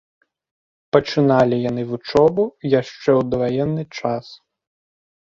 Пачыналі яны вучобу яшчэ ў даваенны час.